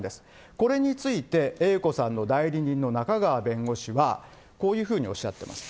これについてＡ子さんの代理人の中川弁護士は、こういうふうにおっしゃってます。